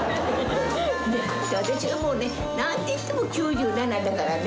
私はもうね、なんといっても９７だからね。